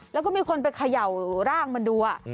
แล้วก็มีคนไปเขย่าร่างมันดู